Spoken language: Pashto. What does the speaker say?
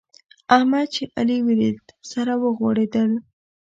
احمد چې علي وليد؛ سره غوړېدل.